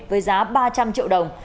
với giá ba trăm linh triệu đồng